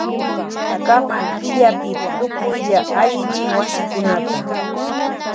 Kapak killapi tukuylla allichin wasikunata.